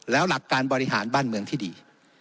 แล้วหลักการบริหารบ้านเมืองที่ดี